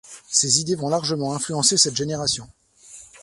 Ces idées vont largement influencer cette génération.